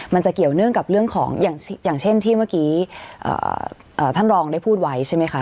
มันจะเกี่ยวเนื่องกับเรื่องของอย่างเช่นที่เมื่อกี้ท่านรองได้พูดไว้ใช่ไหมคะ